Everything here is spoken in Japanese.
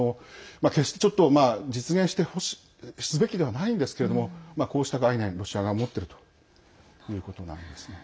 決して、ちょっと実現すべきではないんですけれどもこうした概念、ロシアが持っているということなんですね。